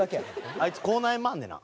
あいつ口内炎もあんねんな。